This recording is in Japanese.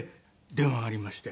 電話がありまして。